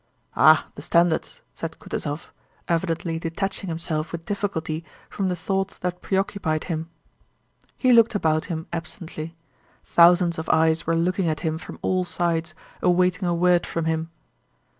"Ah, the standards!" said Kutúzov, evidently detaching himself with difficulty from the thoughts that preoccupied him. He looked about him absently. Thousands of eyes were looking at him from all sides awaiting a word from him.